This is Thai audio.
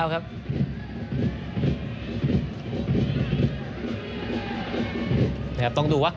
ส่วนที่สุดท้ายส่วนที่สุดท้าย